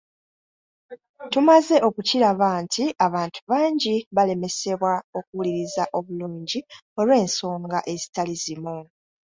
Tumaze okukiraba nti abantu bangi balemesebwa okuwuliriza obulungi olw’ensonga ezitali zimu.